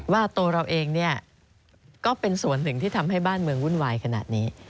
ว่าตัวเราเองก็เป็นส่วนหนึ่งที่ทำให้บ้านเมืองวุ่นวายขนาดนี้